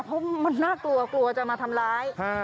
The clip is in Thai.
เพราะมันน่ากลัวกลัวจะมาทำร้าย